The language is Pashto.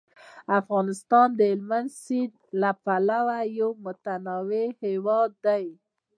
افغانستان د هلمند سیند له پلوه یو متنوع هیواد دی.